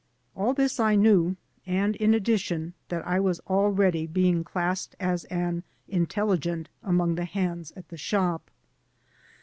All this I knew, and, in addition, that I was already being classed as an intelligent among the hands at the shop.